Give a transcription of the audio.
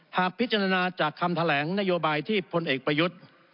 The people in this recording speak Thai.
หากพิจารณาจากคำแถลงนโยบายที่พลเอกประยุทธ์